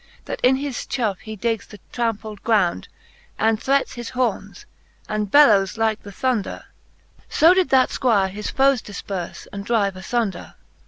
That in his chauffe he digs the trampled ground, And threats his horns, and bellowes like the thonder : So did that Squire his foes difperfe, and drive afbnder.